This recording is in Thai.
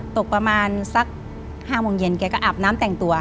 ตกประมาณสัก๕โมงเย็นแกก็อาบน้ำแต่งตัว